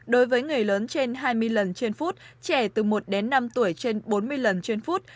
đối với người lớn trên hai mươi lần trên phút trẻ từ một đến năm tuổi trên bốn mươi lần trên phút